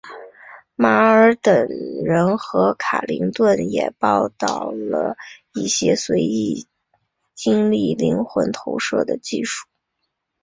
马尔等人和卡林顿也报道了一些随意经历灵魂投射的技术。